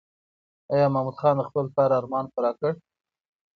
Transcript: ایا محمود خان د خپل پلار ارمان پوره کړ؟